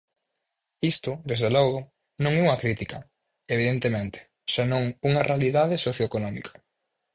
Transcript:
Isto, desde logo, non é unha crítica, evidentemente, senón unha realidade socioeconómica.